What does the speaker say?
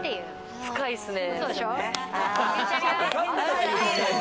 深いっすね。